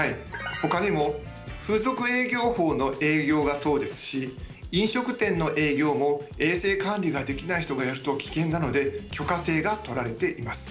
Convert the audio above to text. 他にも風俗営業法の営業がそうですし飲食店の営業も衛生管理ができない人がやると危険なので許可制がとられています。